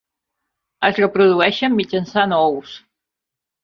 Es reprodueixen mitjançant ous.